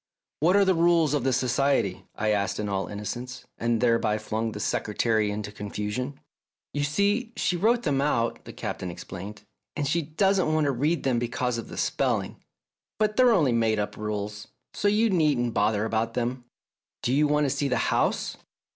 "What are the rules of the Society?" I asked in all innocence, and thereby flung the Secretary into confusion. " You see, she wrote them out," the Captain 156 THE DAY BEFORE YESTERDAY explained, " and she doesn't want you to read them because of the spelling. But they're only make up rules, so you needn't bother about them. Don't you want to see the house?"